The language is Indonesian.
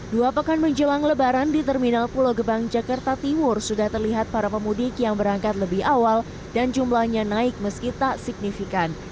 dua pekan menjelang lebaran di terminal pulau gebang jakarta timur sudah terlihat para pemudik yang berangkat lebih awal dan jumlahnya naik meski tak signifikan